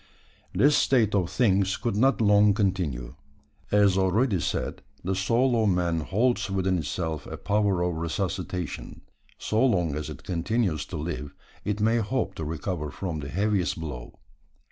This state of things could not long continue. As already said, the soul of man holds within itself a power of resuscitation. So long as it continues to live, it may hope to recover from the heaviest blow.